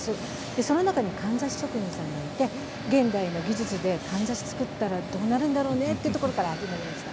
その中にかんざし職人がいて現在の技術でかんざしを作ったらどうなるんだろうね、というところから始まりました。